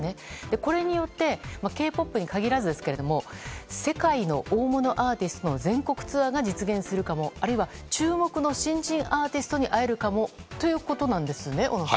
これによってＫ‐ＰＯＰに限らずですが世界の大物アーティストの全国ツアーが実現するかもあるいは注目の新人アーティストに会えるかもということなんですね小野さん。